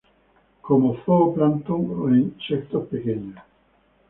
Come zoo plancton e insectos pequeños.